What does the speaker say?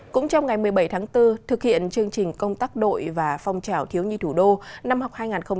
cũng trong ngày một mươi bảy tháng bốn thực hiện chương trình công tác đội và phong trào thiếu nhi thủ đô năm học hai nghìn hai mươi hai nghìn hai mươi bốn